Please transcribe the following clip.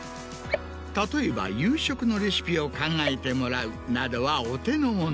例えば夕食のレシピを考えてもらうなどはお手のもの。